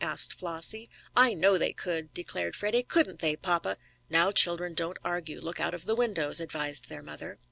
asked Flossie. "I know they could," declared Freddie. "Couldn't they, papa?" "Now, children, don't argue. Look out of the windows," advised their mother.